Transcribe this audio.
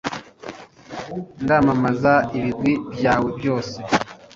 ndamamaza ibigwi byawe byose